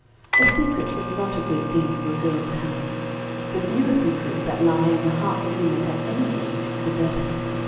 A secret is not a good thing for a girl to have. The fewer secrets that lie in the hearts of women at any age, the better.